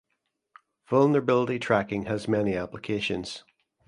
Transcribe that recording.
Vulnerability tracking has many applications.